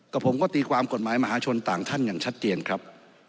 ผมก็ตีความกฎหมายมหาชนต่างท่านอย่างชัดเจนครับ